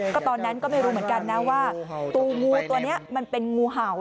ก็ตอนนั้นก็ไม่รู้เหมือนกันนะว่าตัวงูตัวนี้มันเป็นงูเห่า